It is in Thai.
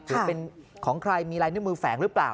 หรือเป็นของใครมีลายนิ้วมือแฝงหรือเปล่า